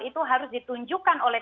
itu harus ditunjukkan oleh